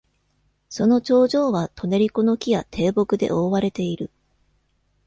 その頂上はトネリコの木や低木で覆われている。